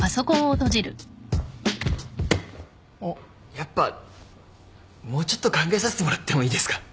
やっぱもうちょっと考えさせてもらってもいいですか？